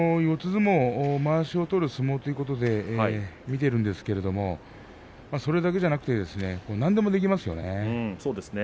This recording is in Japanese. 相撲、まわしを取る相撲ということで見ているんですけどもそれだけじゃなくてなんでもできますよね。